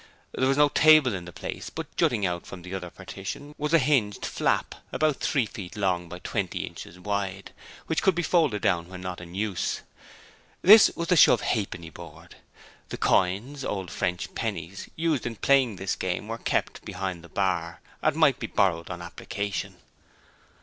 There was no table in the place but jutting out from the other partition was a hinged flap about three feet long by twenty inches wide, which could be folded down when not in use. This was the shove ha'penny board. The coins old French pennies used in playing this game were kept behind the bar and might be borrowed on application.